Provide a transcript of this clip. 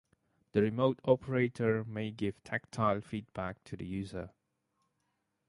The remote operator may give tactile feedback to the user.